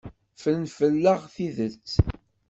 Ffren fell-aɣ tidet.